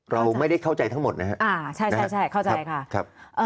เราไม่ได้เข้าใจทั้งหมดนะครับ